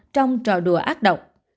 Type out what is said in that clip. trong trò đùa ác độc